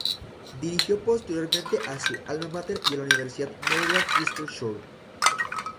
Dirigió posteriormente a su alma máter y a la Universidad Maryland Eastern Shore.